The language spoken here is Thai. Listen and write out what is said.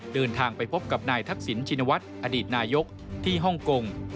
เดินทางไปพบกับนายทักษิณชินวัฒน์อดีตนายกที่ฮ่องกง